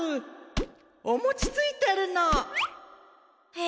おもちついてるの。え！